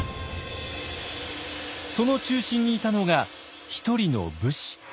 その中心にいたのが１人の武士。